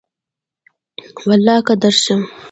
ولاکه درشم